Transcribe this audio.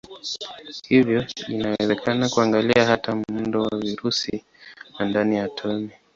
Hivyo inawezekana kuangalia hata muundo wa virusi na ndani ya atomi.